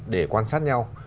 để quan sát nhau